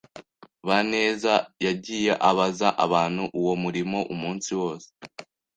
Baneza yagiye abaza abantu uwo murimo umunsi wose.